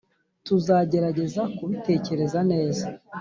tuzagerageza kubitekereza neza